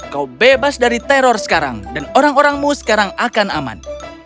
kau bebas dari teror sekarang dan orang orangmu sekarang akan aman